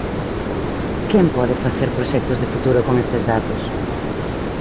¿Quen pode facer proxectos de futuro con estes datos?